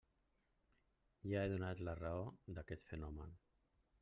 Ja he donat la raó d'aquest fenomen.